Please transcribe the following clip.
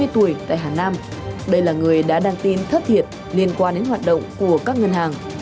ba mươi tuổi tại hà nam đây là người đã đăng tin thất thiệt liên quan đến hoạt động của các ngân hàng